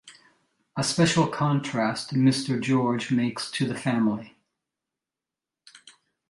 A special contrast Mr. George makes to the family.